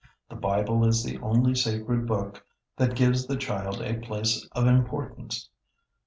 The Bible is the only sacred book that gives the child a place of importance.